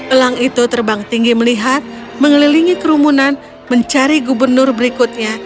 elang itu terbang tinggi melihat mengelilingi kerumunan mencari gubernur berikutnya